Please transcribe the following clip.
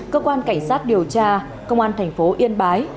cơ quan cảnh sát điều tra công an thành phố yên bái